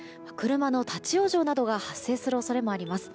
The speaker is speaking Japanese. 車の立ち往生などが発生する恐れもあります。